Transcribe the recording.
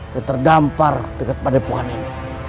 dan terdampar dekat pada pungan ini